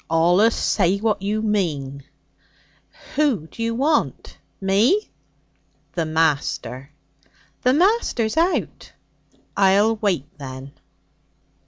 'Allus say what you mean.' 'Who d'you want? Me?' 'The master.' 'The master's out.' 'I'll wait, then.'